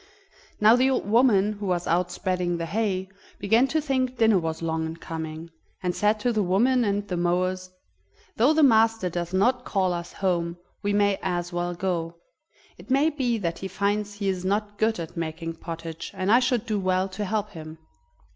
Now the old woman, who was out spreading the hay, began to think dinner was long in coming, and said to the women and the mowers: "Though the master does not call us home, we may as well go. It may be that he finds he is not good at making pottage and I should do well to help him."